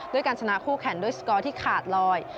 การชนะคู่แข่งด้วยสกอร์ที่ขาดลอย